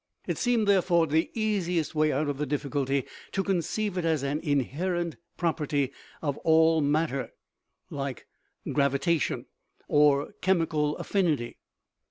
It seemed, therefore, the easiest way out of the difficulty to con ceive it as an inherent property of all matter, like gravi tation or chemical affinity.